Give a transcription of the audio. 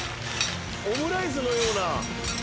オムライスのような。